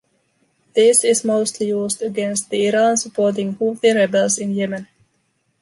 This is mostly used against the Iran supporting Houthi rebels in Yemen.